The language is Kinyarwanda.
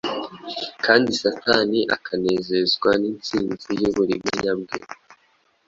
kandi Satani akanezezwa n’insinzi y’uburiganya bwe.